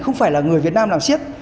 không phải là người việt nam làm siếc